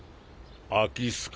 空き巣か？